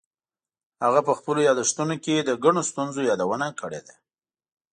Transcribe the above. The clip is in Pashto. هغه په خپلو یادښتونو کې د ګڼو ستونزو یادونه کړې ده.